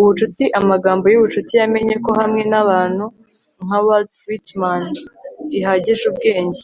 ubucuti amagambo yubucuti yamenye ko hamwe nabantu nka walt whitman ihagije ubwenge